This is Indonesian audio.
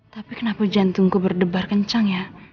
tapi kenapa jantungku berdebar kencang ya